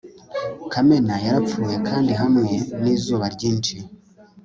kamena yarapfuye kandi hamwe nizuba ryinshi